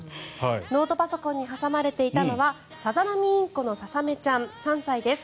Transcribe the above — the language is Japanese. ノートパソコンに挟まれていたのはサザナミインコのささめちゃん３歳です。